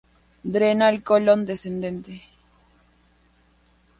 Drena el colon descendente.